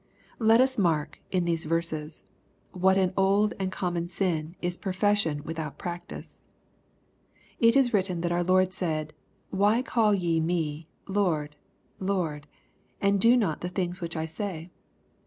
Let us mark, in these verses, what an old and common sin is profession without practice. It is written that our Lord said, " Why call ye me Lord, Lord, and do not the things which I say